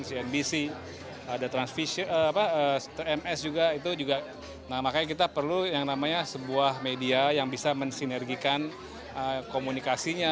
ada cnbc ada tms juga makanya kita perlu yang namanya sebuah media yang bisa mensinergikan komunikasinya